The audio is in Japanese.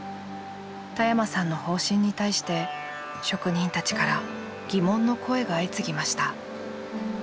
田山さんの方針に対して職人たちから疑問の声が相次ぎました。